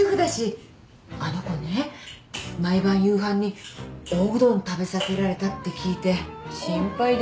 あの子ね毎晩夕飯におうどん食べさせられたって聞いて心配で。